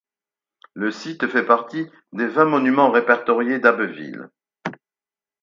Le site fait partie des vingt monuments répertoriés d'Abbeville.